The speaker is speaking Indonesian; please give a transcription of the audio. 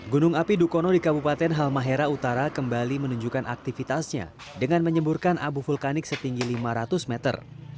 gunung api dukono di kabupaten halmahera utara kembali menunjukkan aktivitasnya dengan menyemburkan abu vulkanik setinggi lima ratus meter